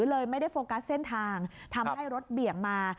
เลยไม่ได้โฟกัสเส้นทางทำให้รถเบี่ยงมา